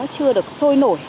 chưa được sôi nổi